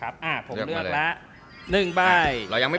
ผมเลือกละ๑ใบ